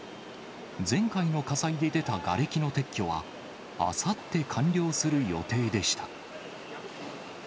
前回の火災で出たがれきの撤去は、あさって完了する予定でした。